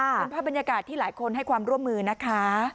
เป็นภาพบรรยากาศที่หลายคนให้ความร่วมมือนะคะ